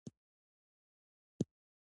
د مېلمه پالنې دود يې وساته.